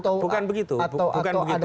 atau ada khawatiran juga sebenarnya